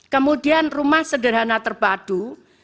kemudian rumah sederhana terpadu